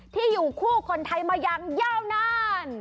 ที่อยู่คู่คนไทยมาอย่างยาวนาน